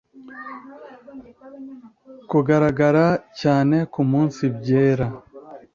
kugaragara cyane kumunsi byera